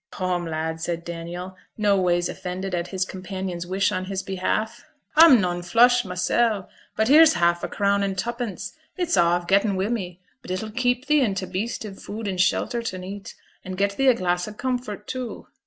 'Coom, lad,' said Daniel, noways offended at his companion's wish on his behalf. 'A'm noane flush mysel', but here's half a crown and tuppence; it's a' a've getten wi' me, but it'll keep thee and t' beast i' food and shelter to neet, and get thee a glass o' comfort, too.